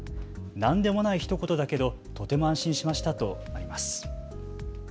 何でもないひと言だけどとても安心しましたとあります。